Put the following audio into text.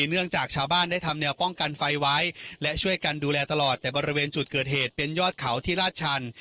เนื่องจากชาวบ้านได้ทำแนวป้องกันไฟไว้และช่วยกันดูแลตลอดแต่บริเวณจุดเกิดเหตุเป็นยอดเขาที่ลาดชัน